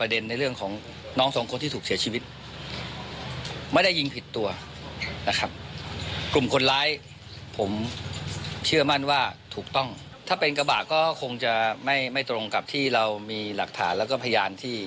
ว่าหลังจากใช้รถที่เอาอีกรอเกตแล้วก็มีการเป็นที่จะรับคุณสับเปลี่ยน